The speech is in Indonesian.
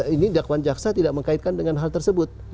ini dakwaan jaksa tidak mengkaitkan dengan hal tersebut